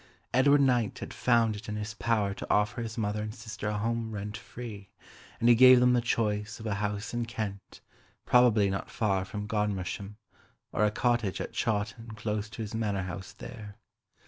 Edward Knight had found it in his power to offer his mother and sisters a home rent free; and he gave them the choice of a house in Kent, probably not far from Godmersham, or a cottage at Chawton close to his Manor House there.